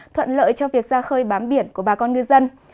thuận lợi cho việc ra khơi bám biển của bà con ngư dân